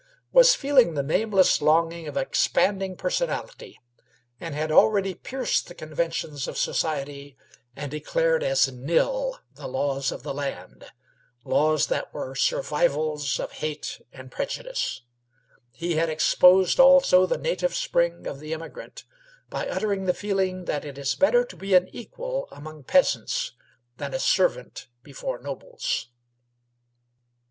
was feeling the nameless longing of expanding personality. He had declared rebellion against laws that were survivals of hate and prejudice. He had exposed also the native spring of the emigrant by uttering the feeling that it is better to be an equal among peasants than a servant before nobles.